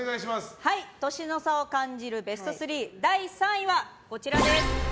年の差を感じるベスト３第３位はこちらです。